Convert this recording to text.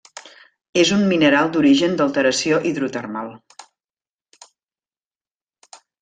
És un mineral d'origen d'alteració hidrotermal.